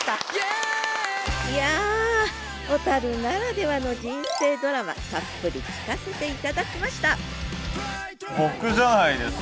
いや小ならではの人生ドラマたっぷり聞かせて頂きました僕じゃないですか？